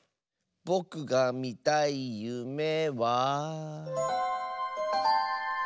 ぼくがみたいゆめは。